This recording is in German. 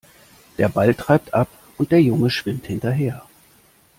Der Ball treibt ab und der Junge schwimmt hinterher.